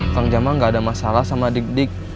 teng jamal gak ada masalah sama dik dik